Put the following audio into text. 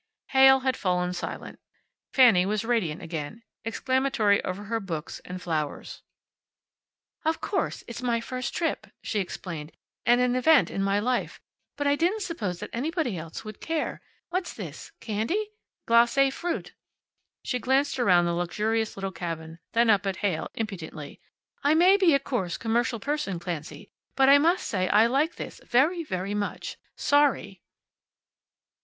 Heyl had fallen silent. Fanny was radiant again, and exclamatory over her books and flowers. "Of course it's my first trip," she explained, "and an event in my life, but I didn't suppose that anybody else would care. What's this? Candy? Glace fruit." She glanced around the luxurious little cabin, then up at Heyl, impudently. "I may be a coarse commercial person, Clancy, but I must say I like this very, very much. Sorry."